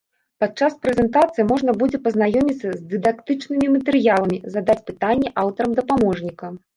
Падчас прэзентацыі можна будзе пазнаёміцца з дыдактычнымі матэрыяламі, задаць пытанні аўтарам дапаможніка.